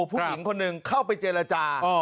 ผู้หญิงคนหนึ่งเข้าไปเจรจา